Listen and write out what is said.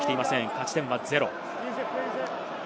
勝ち点は０。